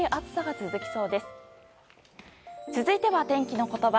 続いては天気のことば。